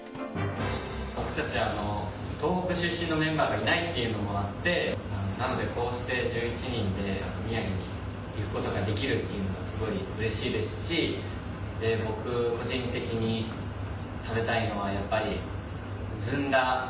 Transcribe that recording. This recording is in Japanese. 僕たちは東北出身のメンバーがいないということでなので、こうして１１人で宮城に行くことができるというのはすごいうれしいですし僕、個人的に食べたいのはずんだ。